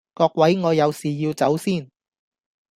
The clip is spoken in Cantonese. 各位我有事要走先